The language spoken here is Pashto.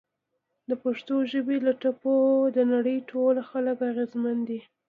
د پښتو ژبې له ټپو د نړۍ ټول خلک اغیزمن دي!